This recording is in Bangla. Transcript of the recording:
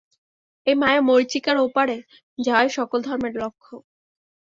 এই মায়া-মরীচিকার ওপারে যাওয়াই সকল ধর্মের লক্ষ্য।